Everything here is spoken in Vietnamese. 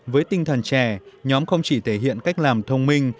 với tinh thần trẻ nhóm không chỉ thể hiện cách làm thông minh